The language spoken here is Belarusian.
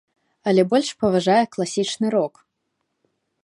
Але больш паважае класічны рок.